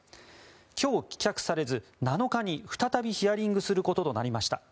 今日、棄却されず７日に再びヒアリングすることとなりました。